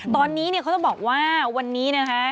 ตอนนี้เนี่ยเขาจะบอกว่าวันนี้นะคะ